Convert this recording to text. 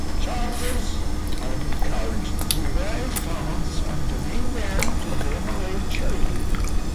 Chapters are encouraged to raise funds and donate them to a DeMolay charity.